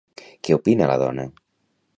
Què opina la dona?